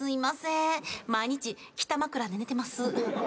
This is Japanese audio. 毎日北枕で寝てます。